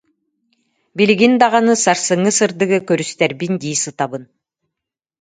Билигин даҕаны сарсыҥҥы сырдыгы көрүстэрбин дии сытабын